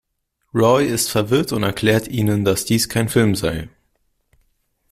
Roy ist verwirrt und erklärt ihnen, dass dies kein Film sei.